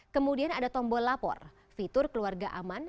kemudian ada tombol lapor fitur keluarga aman